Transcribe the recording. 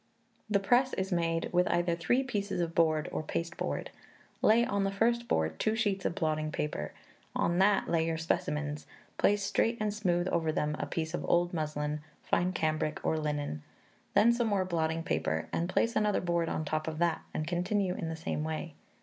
The press is made with either three pieces of board or pasteboard. Lay on the first board two sheets of blotting paper; on that lay your specimens; place straight and smooth over them a piece of old muslin, fine cambric, or linen; then some more blotting paper, and place another board on the top of that, and continue in the same way.